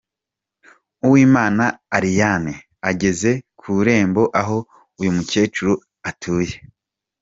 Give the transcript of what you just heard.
Uwimana Ariane ageze ku irembo aho uyu mukecuru atuye.